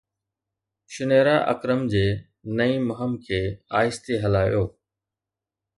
شنيرا اڪرم جي نئين مهم کي آهستي هلايو